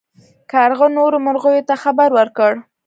کارغه نورو مرغیو ته خبر ورکړ.